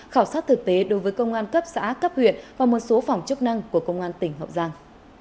khảo sát thực tế đối với công an cấp xã cấp huyện và một số phòng chức năng của công an tỉnh hậu giang